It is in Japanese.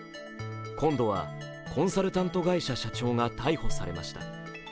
今度は、コンサルタント会社社長が逮捕されました。